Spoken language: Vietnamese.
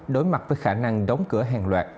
đối mặt với khả năng đóng cửa hàng loạt